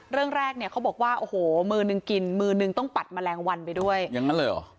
เรื่องแรกเนี่ยเขาบอกว่าโอ้โหมือนึงกินมือนึงต้องปัดแมลงวันไปด้วยอย่างนั้นเลยเหรอ